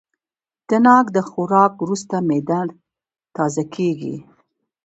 د ناک د خوراک وروسته معده تازه کېږي.